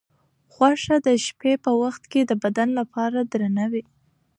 غوښه د شپې په وخت کې د بدن لپاره درنه وي.